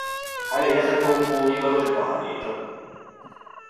睇你一身功夫，應該係食過吓夜粥